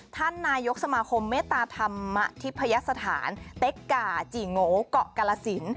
ท่านนายกสมาคมเมตตาธรรมทิพยสถานเต็กก่าจี่โงเกาะกรสิน